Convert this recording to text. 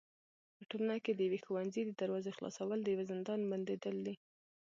په ټولنه کي د يوي ښوونځي د دروازي خلاصول د يوه زندان بنديدل دي.